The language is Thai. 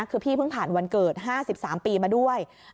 คือพี่เพิ่งผ่านวันเกิด๕๓ปีมาด้วย